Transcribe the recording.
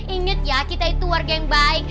ingat ya kita itu warga yang baik